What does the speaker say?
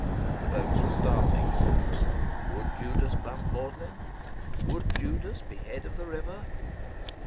The boats were starting. Would Judas bump Magdalen? Would Judas be head of the river?